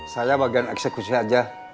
saya bagian eksekusi aja